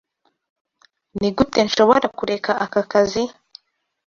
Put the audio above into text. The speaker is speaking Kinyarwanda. Nigute nshobora kureka aka kazi?